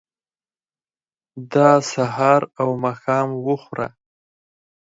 دا سهار او ماښام وخوره.